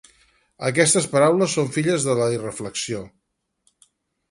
Aquestes paraules són filles de la irreflexió.